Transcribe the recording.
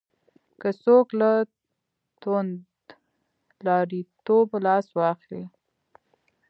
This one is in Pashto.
که څوک له توندلاریتوبه لاس واخلي.